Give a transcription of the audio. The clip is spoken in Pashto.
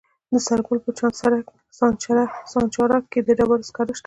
د سرپل په سانچارک کې د ډبرو سکاره شته.